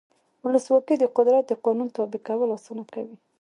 ولسواکي د قدرت د قانون تابع کول اسانه کوي.